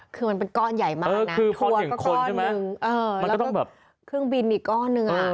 คือมันเป็นก้อนใหญ่มากนะทัวร์ก็ก้อนหนึ่งมันก็ต้องแบบเครื่องบินอีกก้อนหนึ่งอ่ะ